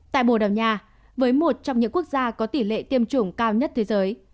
tại bồ đào nha với một trong những quốc gia có tỷ lệ tiêm chủng cao nhất thế giới